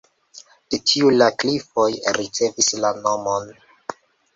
De tiu la klifoj ricevis la nomon.